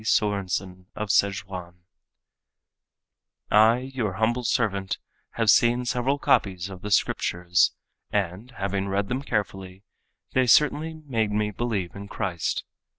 Sörensen of Szechuan: "I, your humble servant, have seen several copies of the Scriptures and, having read them carefully, they certainly made me believe in Christ.